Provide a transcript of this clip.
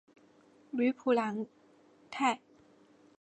吕普朗泰。